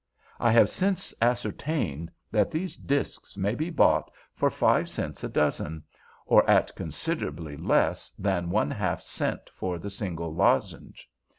I have since ascertained that these disks may be bought for five cents a dozen—or at considerably less than one half cent for the single lozenge.